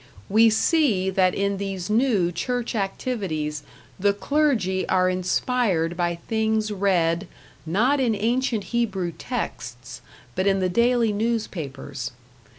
We see that in these new church activities the clergy are inspired by things read, not in ancient Hebrew texts, but in the daily newspapers.